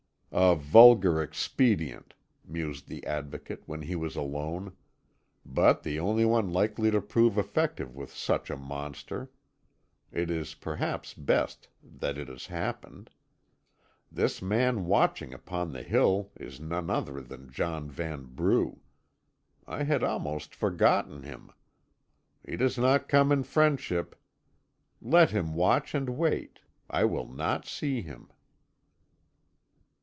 "A vulgar expedient," mused the Advocate, when he was alone, "but the only one likely to prove effective with such a monster. It is perhaps best that it has happened. This man watching upon the hill is none other than John Vanbrugh. I had almost forgotten him. He does not come in friendship. Let him watch and wait. I will not see him."